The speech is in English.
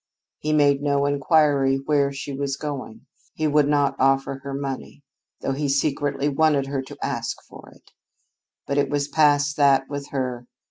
He made no inquiry where she was going. He would not offer her money, though he secretly wanted her to ask for it. But it was past that with her.